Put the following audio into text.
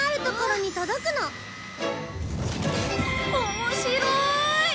面白い！